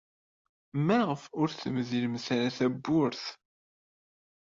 Maɣef ur temdilemt ara tawwurt?